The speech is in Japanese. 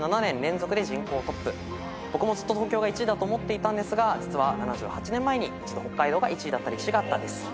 僕もずっと東京が１位だと思っていたんですが実は７８年前に１度北海道が１位だった歴史があったんです。